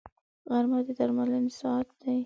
غرمه د درملنې ساعت دی